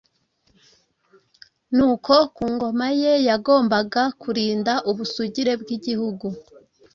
ni uko ku ngoma ye yagombaga kurinda ubusugire bw’igihugu.